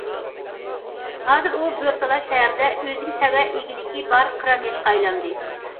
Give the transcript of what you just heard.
ھازىر ئۇ بورتالا شەھىرىدە ئۆزىگە تەۋە ئىگىلىكى بار قىران ياشقا ئايلاندى.